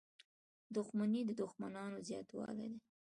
• دښمني د دوښمنانو زیاتوالی دی.